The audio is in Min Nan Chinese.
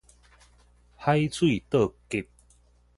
海水倒激